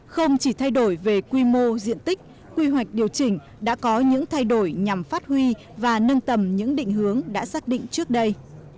không chỉ thay đổi về quy mô diện tích quy hoạch điều chỉnh đã có những thay đổi nhằm phát huy và nâng tầm những định hướng đã xác định trước đây